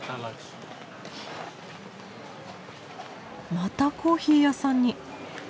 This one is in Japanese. またコーヒー屋さんに。